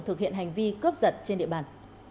thực hiện hành vi cướp giật trên địa bàn